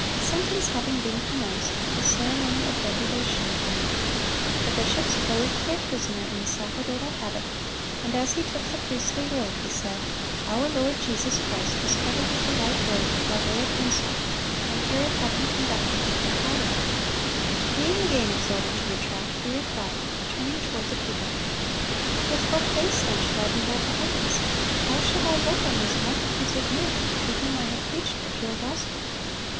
Sentence having been pronounced, the ceremony of degradation began. The bishops clothed their prisoner in the sacerdotal habit, and as he took the priestly robe, he said, "Our Lord Jesus Christ was covered with a white robe, by way of insult, when Herod had Him conducted before Pilate."(141) Being again exhorted to retract, he replied, turning toward the people: "With what face, then, should I behold the heavens? How should I look on those multitudes of men to whom I have preached the pure gospel?